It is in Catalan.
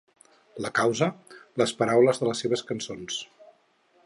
La causa: les paraules de les seves cançons.